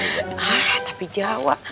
ah tapi jawa